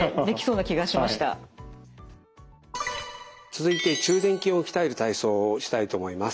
続いて中殿筋を鍛える体操をしたいと思います。